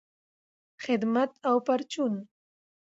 خدمت او پرچون